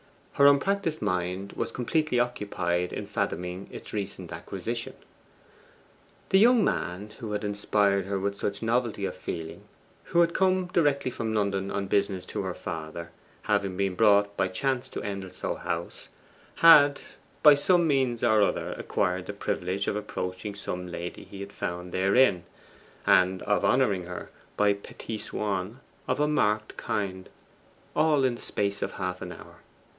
Her unpractised mind was completely occupied in fathoming its recent acquisition. The young man who had inspired her with such novelty of feeling, who had come directly from London on business to her father, having been brought by chance to Endelstow House had, by some means or other, acquired the privilege of approaching some lady he had found therein, and of honouring her by petits soins of a marked kind, all in the space of half an hour.